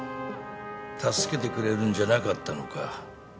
助けてくれるんじゃなかったのか？